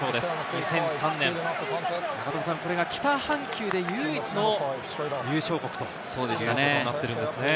２００３年、これが北半球で唯一の優勝国ということになっているんですね。